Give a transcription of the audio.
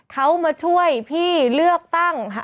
เขามาช่วยพี่เลือกตั้ง